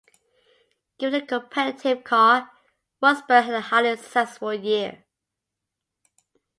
Given a competitive car, Rosberg had a highly successful year.